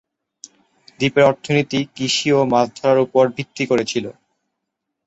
দ্বীপের অর্থনীতি কৃষি ও মাছ ধরার উপর ভিত্তি করে ছিল।